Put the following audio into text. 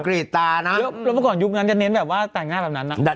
กลับเมื่อก่อนยุคนั้นจะเน้นแบบว่าแต่งหน้าแบบนั้นน่ะ